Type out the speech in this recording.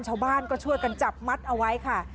ชาวบ้านก็ช่วยกันจับมัดเอาไว้ค่ะ